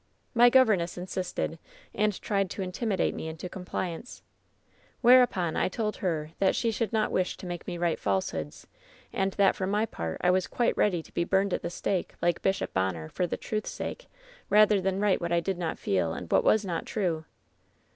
"My governess insisted, and tried to intimidate me into compliance. Whereupon I told her that she should not wish to make me write falsehoods, and that for my part I was quite ready to be burned at the stake, like Bishop Bonner, for the truth's sake, rather than write what I did not feel and what was not true.